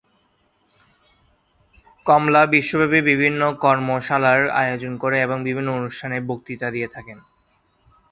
কমলা বিশ্বব্যাপী বিভিন্ন কর্মশালার আয়োজন করেন এবং বিভিন্ন অনুষ্ঠানে বক্তৃতা দিয়ে থাকেন।